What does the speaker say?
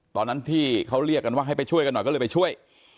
ตอนนั้นที่เขาเรียกกันว่าให้ไปช่วยกันหน่อยก็เลยไปช่วย